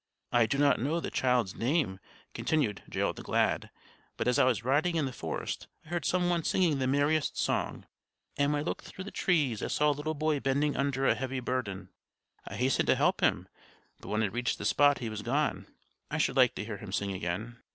"I do not know the child's name," continued Gerald the Glad; "but as I was riding in the forest I heard some one singing the merriest song! And when I looked through the trees I saw a little boy bending under a heavy burden. I hastened to help him, but when I reached the spot he was gone. I should like to hear him sing again."